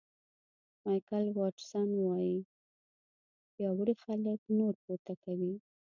مایکل واټسن وایي پیاوړي خلک نور پورته کوي.